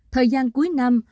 thời gian cuối năm